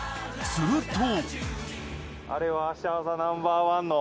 すると。